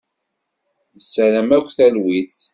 Nessaram akk talwit.